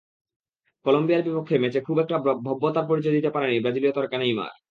কলম্বিয়ার বিপক্ষে ম্যাচে খুব একটা ভব্যতার পরিচয় দিতে পারেননি ব্রাজিলীয় তারকা নেইমার।